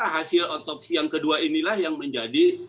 hasil otopsi yang kedua inilah yang menjadi